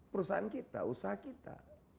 perusahaan kita usaha kita